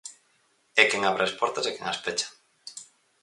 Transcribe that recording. É quen abre as portas e quen as pecha.